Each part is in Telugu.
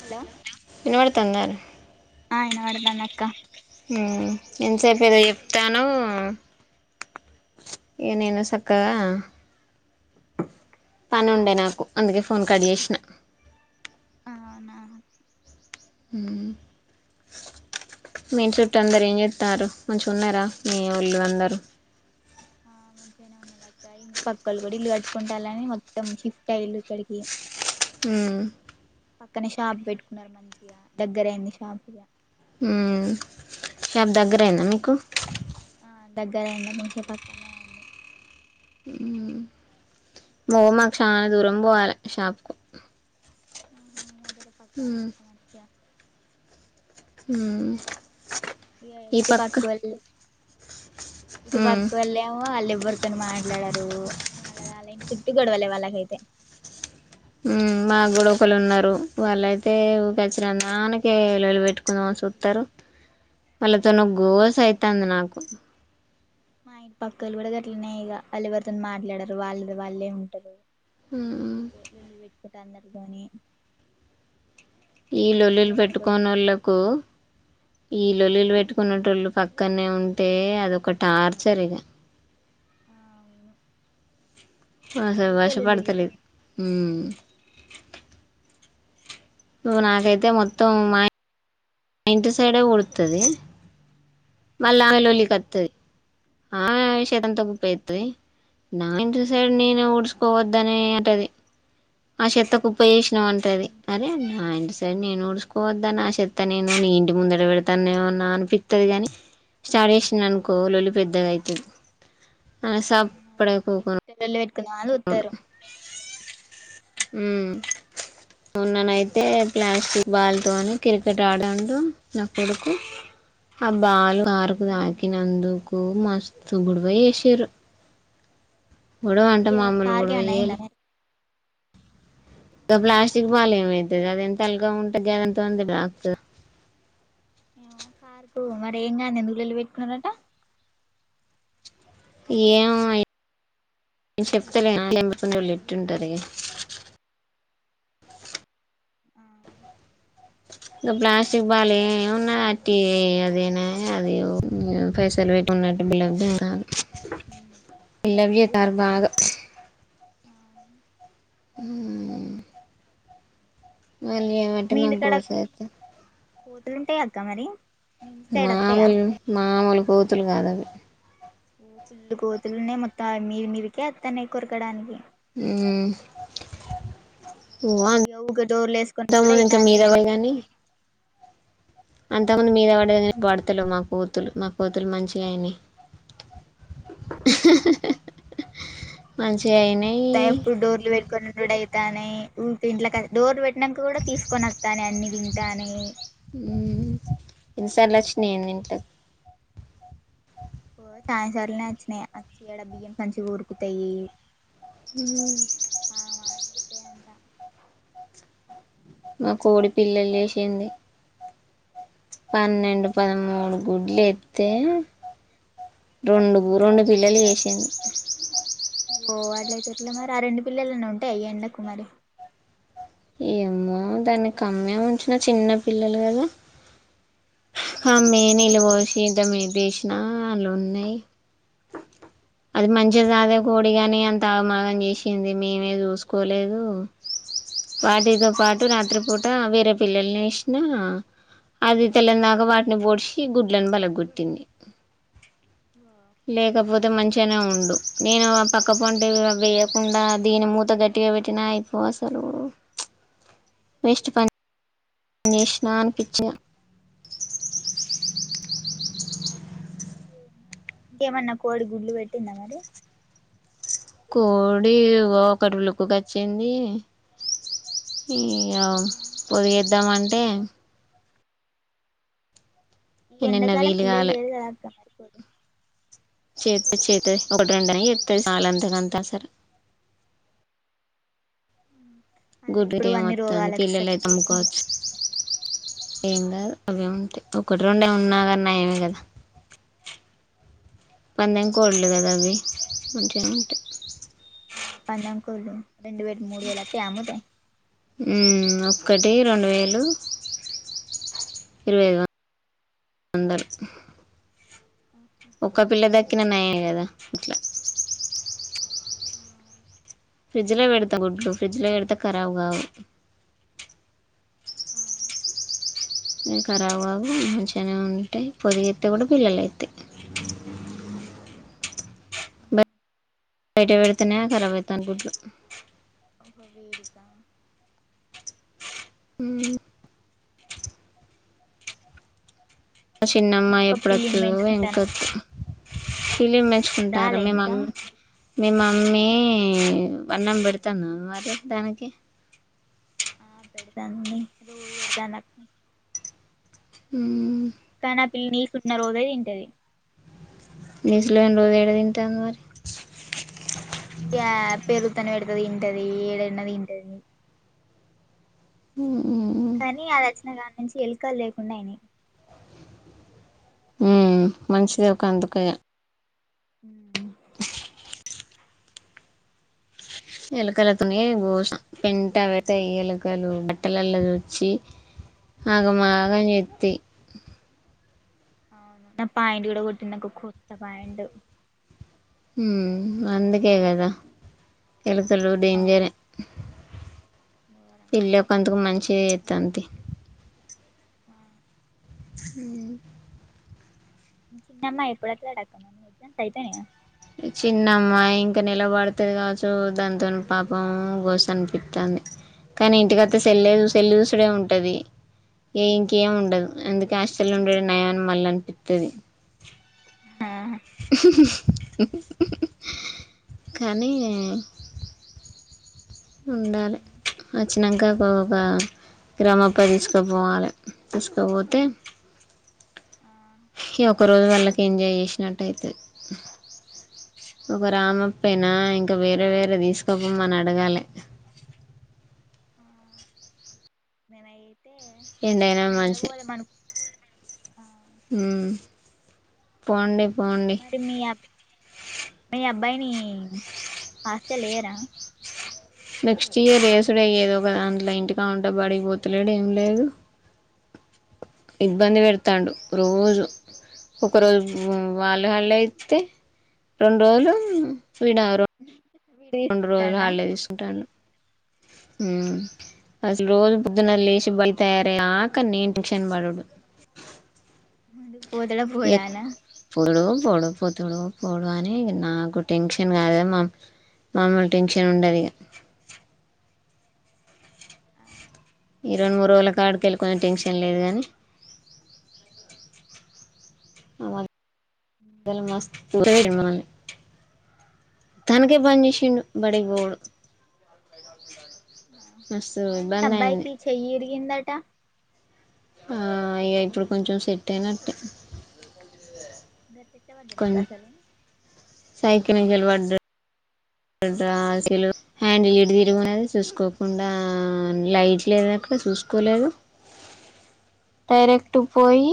హలో తన్నారు ఆయన అడుద్దు అన్నాడు అక్క హు ఇంచేపు ఏదో చెప్తానవ్ నేను చక్కగా పని ఉండే నాకు అందుకే ఫోన్ కట్ చేసిన అవునా హు మీ ఇంట్లో అందరు ఏం చేస్తన్నారు మంచిగా ఉన్నారా మీ ఒళ్ళు అందరు ఆ మంచిగానే ఉన్నారు అక్క ఇంటి పక్కలు కూడా ఇల్లు కట్టుకుంటాలని మొత్తం షిఫ్ట్ అయ్యు ఇక్కడికి హు పక్కనే షాప్ పెట్టుకున్నారు మంచిగా దగ్గర అయింది షాప్ ఇగ హు షాప్ దగ్గరయిందా మీకు దగ్గర అయింది ముంచిగా పక్కనే అయింది హు ఓ మాకు చాలా దూరం పోవాలి షాప్ కు ఆహా మకి పక్కనే [inaudible] అమ్ ఇగ ఇటు పక్క వాళ్ళ ఇటు ఉమ్, పక్క వాళ్ళ ఏమో వాళ్ళు ఎవ్వరితోనూ మాట్లాడరు వాళ్ళ వాళ్ళ ఇంటి చుట్టు గొడవాలే వాళ్ళకైతే ఉమ్ మా కూడా ఒకళ్ళు ఉన్నారు వాళ్ళయితే ఊపచ్చిన దానికి లోల్లి పెట్టుకుని చూస్తారు వాళ్ళతో గోస్ అయితంది నాకు మా ఇంటి పక్కలు కూడా గట్లనే ఇక వాళ్ళు ఎవరితోను మాట్లాడరు వాళ్ళది వాళ్ళే ఉంటారు ఉమ్, ఓకే లోల్లి పెట్టు ఒక అందరకు గాని ఈ లొల్లులు పెట్టుకోని వాళ్ళకు ఈ లొల్లు లు పెట్టుకున్నోళ్ళు పక్కనే ఉంటే అదొక టార్చర్ ఇగా ఆ అవును ఆసలు వర్షం వెల్లుల్లిలు పడుతలేదు ఉమ్ ఇగో నాకైతే మొత్తం మా మా ఇంటి సైడే కొడతది మళ్ళ ఆమె ఆ లొల్లి కొత్తది ఆ చెత్తంతా కుప్పేత్తది నా ఇంటి సైడ్ నేను ఊడ్చకోవద్దని అంటది ఆ చెత్త కుప్ప ఏసి ఉంటది ఉమ్ అరే మా ఇంటి సైడ్ సరే నేను ఊడుచకోవద్దా నా చెత్త నేను నీ ఇంటి ముందట పెడతానుమ నా అనిపిత్తది కాని స్టార్ట్ చేసింది అనుకో లొల్లి పెద్దగయితది అ సప్పుడుగా కూకో కొనాళ్ళు ఉత్తరు ఉమ్ మొన్ననయితే ప్లాస్టిక్ బాల్ తోని క్రికెట్ ఆడడం తో నా కొడుకు ఆ బాలు కారుకి తాకినందుకు ఈ రోజు మస్తు గొడవ చేసిరూ గొడవ అంటే అయ్యో మామూలు కారుకి గొడవ ఏమన్నా అయిందా చేయ్యలే మరి గ ప్లాస్టిక్ బాలు ఏమైతది అది ఎంత తల్గా ఉన్ గవంత వందలా ఆతు ఈమె కార్కు మరి ఏం కానీ ఎందుకు లొల్లి పెట్టుకున్నారట ఏమో నేను చెప్తలే లొల్లి ఎట్టుంటాది ఇంకా ప్లాస్టిక్ బాలు ఏ ఉన్నా అట్టి అదేనా అది పైసలు పెట్టికున్నట్టు బిల్డప్! ! ! బిల్లప్ చేస్తారు బాగా ఉమ్ మళ్ళీ ఏమంటే మాకు గోసేతే ఉంటాయ అక్క మరి మీ ఇంటి సైడ్ వత్తయా మామూలు మామూలు బూతులు కాదు అవి ఉమ్ పిల్లు కోతులున్నాయి మొత్తం మీది మీదికే వత్తన్నాయి కొరకడానికి ఉమ్ ఓ ఇ ఊగా డోర్లు ఏసుకోని కూడా అంతకుముందు ఇంకా అయితాంది మీద అన్ని అంతమంది మీద వడి ఏ ఆ పడుతలేదు మాకు మా కోతులు మంచిగా అయినాయి హి హి హి హి మంచిగా అయినాయి రెడైతానాయి ఊ ఇంట్ల కాడ డోర్ పెట్ నంకా కూడా తీసుకొని వస్తాలే అన్ని తింటానే ఈ సర్లే వచ్చినాయి అన్ని ఇంట్లో ఓ సాయంకాలనే వచ్చినాయి వచ్చి ఈడ బియ్యం సంచి కొరుకుతాయి ఆ వచ్చితే దా మా కోడి పిల్ల లేసింది పన్నెండు అవునా పదమూడు గుడ్లు ఎత్తే రెండు రెండు పిల్లలు చే ఇన్ ఓ వాట్లయితే ఇట్లా మరి ఆ రెండు పిల్లలన్న ఉంటాయి అయ ఎడా కుమరి ఏమో దాన్ని కమ్మే ఉంచిన చిన్న పిల్లలు కదా అమ్మే నీళ్ళు పోసి ఇంత మేపసినా అలుు ఉన్నాయి అది మంచిది అదే కోడి కాని అంత అగమగని చేసింది మేమే చూసుకోలేదు వాటితో పాటు రాత్రిపూట వేరే పిల్లలనిసిన అది తెల్లందాక వాటిని పోడ్సి ఇ గుడ్లను బలగ్గుట్టింది లేకపోతే మంచిగానే ఉండు నేను పక్క పంటే వేయకుండా దీని మూత గట్టిగా పెట్టినా అయిపో అసలు వేస్ట్ పని పనిచేసేవానికి ఇచ్చిన ఇంకేమన్నా కోడి గుడ్లు పెట్టింద మరి కోడి ఒకటి లుకుకిచ్చింది ఇక పొదిగిద్దామంటే ఈ ఇగ నిన్న ఎండాకాలం వీలు పిల్లలు చేర క రాగగా మరిపోదు చే చేతుది ఒకటి రెంని చెప్తుంది చాలంతక అంతా సర మళ్ళ గుడిర ఇప్పుడు ఏం అన్ని వస్తుంది రోగాలకి పిల్లలయితే సచ్చిపోతయి అమ్ముకోవచ్చు కదా ఏం కా ఆ అవిముంటాయి ఒకటి రెండేమి ఉన్నా కన్నా ఏమ కదా పందం కోల్లు కదా అవును అవి ప్యాంటు ఆ పందంకల్ రెండు వేలు మూడు వేలు అముతేయా ఒకటి రెండు వేలు ఇరవై ఐదు వం వందలు ఒక్క పిల్ల ద ఎక్కినన్నాయ గదా ఇట్లా ఫ్రిడ్జ్ లో పెడతా గుడ్లు ఫ్రిడ్జ్ లో పెడితే ఖరాబ్ కావు క ఖరాబ్ కావు మంచిగనే ఉంటాయి పొదిగేత్తే కూడా పిల్లలు లేపుతాయి బయట వెడుతేనే కరాబ్ అయితాం గుడ్లు ఒక వేడికా ఉ చిన్నమ్మ మేము ఒక పిల్లిని ఎప్పుడొతదో ఇంకొ పెంచుకుంటానం ఫిలిం మెచ్చుకుంటారు రాలే ఇంకా మేమమ్ మీ మమ్మీ అన్నం పెడతాందా మరి దానికి ఆ పెడతాంది మే రోజు పెడతాంది నాకు ఉ కాని ఆ పిల్లి ని సున్న రోజే తింటది నీసులు గాని రోజు ఏడ తింటాంది మరి ఇయ పెరుగుతను పెడతుదింటది ఏడున్నదింటది హు కానీ అది వచ్చినగాన్ మంచి ఎలుకల్ లేకుండా అయినాయి హు మంచిది ఒక అందుకయ హ్మ్ ఎలకలతోనే గోసం పెంట పెడతాయి ఎలుకలు బట్టలలో వచ్చి ఆగ మాగం చెత్తయ్ అవును నా పాయింట్ కూడా కొట్టిందికు కొత్త పాయింట్ ఉమ్ అందుకే కదా ఎలుకలు డేంజర్ ఎ అ పెళ్ళి కొంతకు మంచిగ చేత్తం తి ఆ హు ఉ చిన్నమ్మా ఎప్పుడుత డాకమ్మా ఎగ్జామ్స్ అయిపోయినాయ చిన్నమ్మా ఇంకా నిలబడుతది కావచ్చు దానితో పాపం గోస అనిపిత్తాంది కానీ ఇంటికి వత్తె సెల్ సెల్లు చూడే ఉండు ది ఇంకేం ఉండదు అందుక్ క్యాస్టల్ ఉండే నయా న్ మళ్ళ ఇత్తది ఆహా కానీ ఉండాలి వచ్చినంక ఒ ఒక గ్రామప్పకు తీసుకుపోవాలే తీసుకోపోతే ఆ ఇ ఒక రోజు వాళ్ళకి ఎంజాయ్ చేసినట్టయితది. ఒక రామప్పయినా ఇంకా వేరే వేరే తీసుకుపోమ్మని అడగాల. ఆ నేనై ఎంటైనా మంచి ఆ మ్మ్ పొండి మరి మీయా మీ అబ్బాయిని ఆస్ లేయరా నెక్స్ట్ ఇయర్ రేసుడ అయ్య ఏదో ఒకదా అంట్లో ఇంటికా ఉంట బడిగిపోతులేడు ఏం లేదు ఇబ్బంది పెడుతాడు రోజు ఒకరోజు వాళ్ళు హళ్ళ అయితే రెండు రోజులు స్వీడారు రెండు రోజులు తీసుకుంటాడా హాలిడే తీసుకుంటాను మ్మ్ అసలు రోజు పోదున్న లెచ్ మళ్ళీ తయారు అయ్యే దాకా నేన్ టెన్షన్ పడుడు అడు పోతాడ పోడా ఎక్ అనా పోడు పోడు పోతడు పోడు అని నాకు టెన్షన్ కాదు మా మామ్మని టెన్షన్ ఉండదు ఇక ఈ రెండు మూడు రోజుల కాడుకి వెళ్ళికునే టెన్షన్ లేదు కానీ అవు లు మస్త ప మనని తనకే పని చేసిడు బడికి పోడు అవును మీ అబ్బాయికి చెయ్యరిగిందట్ ట్ట ఆ అయ్యా ఇప్పుడు కొంచెం సెట్ అయినట్టే గట్ల ఎట్ల పడ్డడు అక్క కొంచ అసలు సైకిలి చలవాడు హ్యాండిల్ ఇ తిరునేది చూసుకోకుండా లైట్ లేదు అక్కడ చూసుకోలేదు డైరెక్ట్ పోయి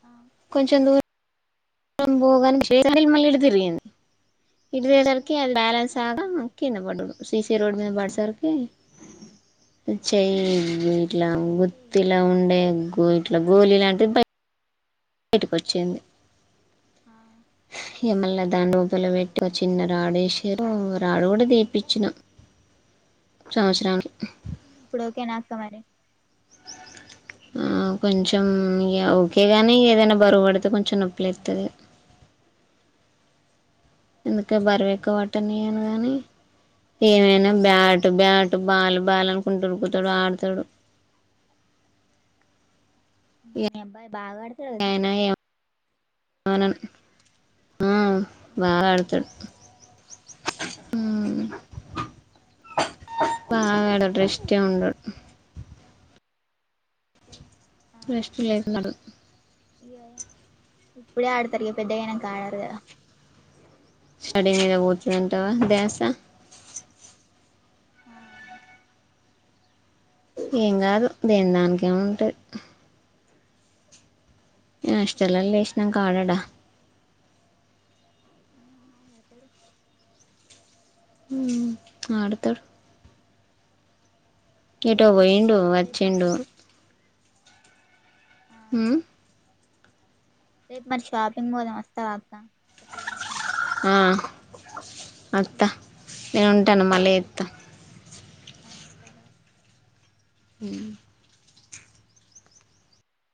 ఆ కొంచెం దూరం పోగా మళ్ళీ ఇ తిరిగింది ఇడి తరికి అది బ్యాలెన్స్ ఆగా కింద పడడు ససీ రోడ్ మీద పడ సరికి చెయ్య ఇట్లా ఇరిగిందా చెయ్యి గుత్తిలా ఉండే అట్లా గోళ లాంటిది బయటకొచ్చింది ఆ ము మళ్ళ దాని రూపలు పెట్టి ఒక చిన్న రాడు వేసారు రాడు కూడా దపిచ్చిన సంవత్సరం ఇప్పుడు ఓకే నాక్క మరి కొంచెం ఇ ఓకే కానీ ఏదైనా బరువు పడితే కొంచెం నొప్పులు లేస్తాది ఎందుకే బరవెక్క పట్టని అను గాని ఏమైనా బ్యాట్ బ్యాట్ బాలు బాల్ అనుకుంటూరుకుతాడు ఆడతాడు మ్మ్ ఇగ మీ అబ్బాయి బాగాడతుద క్రికెట్ అనన్ ఆ బాగా ఆడతాడు హమ్ వెేడంట ఇష్టము ఉండ ప్రెస్ల అయ్య ఇప్పుడ ఆడుతరి పెద్దగానకు ఆడరుద స్టడీ మెడ పోతుంతవా దస ఆ ఏం కాదు దనకిమింటాది ఇష్టల్ లే ఇష్నం కాడడా ఆ అతేడు ఆ అడుతేడు ఏటో పోయిండు రేపు వచ్చిండు మరి ఉమ్ రేపు మరి షాపింగ్ మద వస్తావాక్క చెప్పు ఎంటన్నా ఆ అత్త నేను ఉంటాను మళ ఎత్త ఆ సరే హమ్